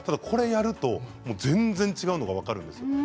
これをやると全然違うのが分かるんです。